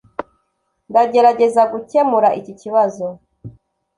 Ndagerageza gukemura iki kibazo